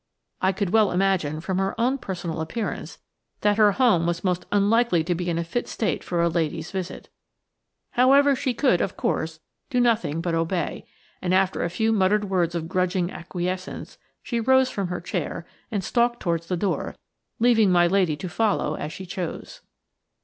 I could well imagine, from her own personal appearance, that her home was most unlikely to be in a fit state for a lady's visit. However, she could, of course, do nothing but obey, and, after a few muttered words of grudging acquiescence, she rose from her chair and stalked towards the door, leaving my lady to follow as she chose.